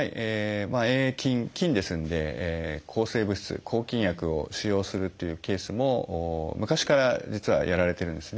「Ａ．ａ．菌」菌ですので抗生物質抗菌薬を使用するというケースも昔から実はやられてるんですね。